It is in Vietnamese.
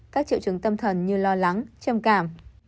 các triệu chứng tâm thần như lo lắng trầm cảm